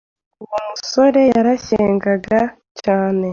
Uwo musore yarashyengaga cyane